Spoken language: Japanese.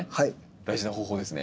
大事な方法ですね。